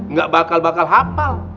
nggak bakal bakal hafal